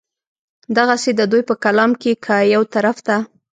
دغسې د دوي پۀ کلام کښې کۀ يو طرف ته